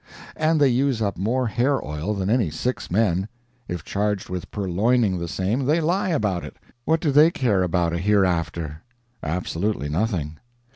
And they use up more hair oil than any six men. If charged with purloining the same, they lie about it. What do they care about a hereafter? Absolutely nothing.